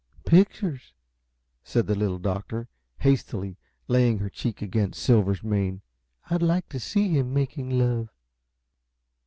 "Pictures," said the Little Doctor, hastily, laying her cheek against Silver's mane. "I'd like to see him making love!"